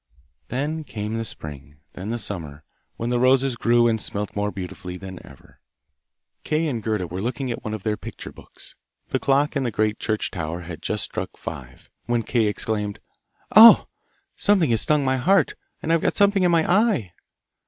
Then came the spring, then the summer, when the roses grew and smelt more beautifully than ever. Kay and Gerda were looking at one of their picture books the clock in the great church tower had just struck five, when Kay exclaimed, 'Oh! something has stung my heart, and I've got something in my eye!